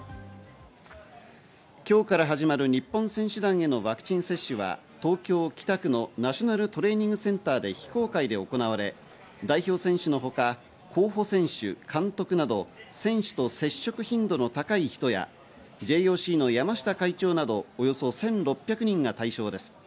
今日から始まる日本選手団へのワクチン接種は東京・北区のナショナルトレーニングセンターで非公開で行われ、代表選手の他、候補選手、監督など選手と接触頻度の高い人やＪＯＣの山下会長など、およそ１６００人が対象です。